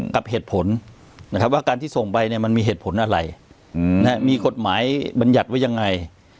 กับเหตุผลนะครับว่าการที่ส่งไปเนี่ยมันมีเหตุผลอะไรมีกฎหมายบรรยัติไว้ยังไง